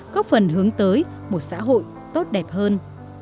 có phần hướng tới một xã hội tốt đẹp hơn